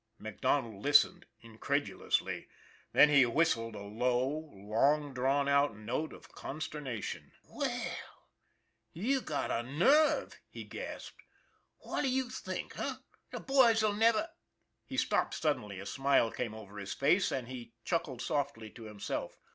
MacDonald listened incredulously. Then he whistled a low, long drawn out note of consternation. " Well, you've got a nerve !" he gasped. " What do you think, eh? The boys'll never " He stopped suddenly, a smile came over his face, and he chuckled softly to himself.